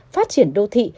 phát triển đô thị